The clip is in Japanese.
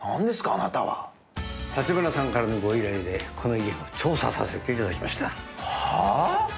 あなたは橘さんからのご依頼でこの家を調査させていただきましたはあ？